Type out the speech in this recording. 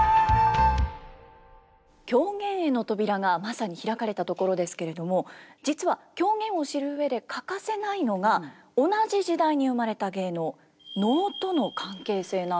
狂言への扉がまさに開かれたところですけれども実は狂言を知る上で欠かせないのが同じ時代に生まれた芸能能との関係性なんです。